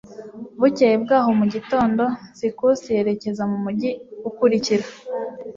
bukeye bwaho mu gitondo, sikusi yerekeza mu mujyi ukurikira